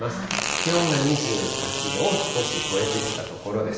気温が２８度を少し超えてきたところです。